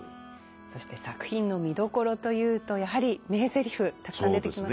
そして作品の見どころというとやはり名台詞たくさん出てきますね。